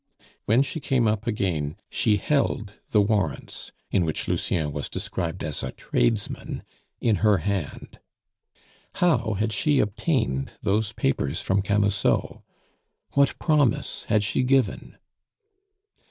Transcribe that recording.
When she came up again she held the warrants, in which Lucien was described as a tradesman, in her hand. How had she obtained those papers from Camusot? What promise had she given?